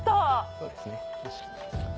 そうですね。